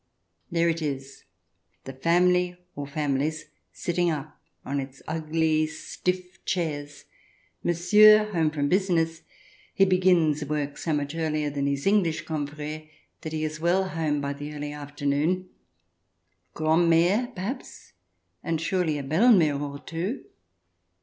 There it is^ the family, or families, " sitting up " on its ugly, stiff chairs — Monsieur, home from business ; he begins work so much earlier than his English confrere that he is well home by the early afternoon — grandmere, perhaps, and surely a belle mere or two.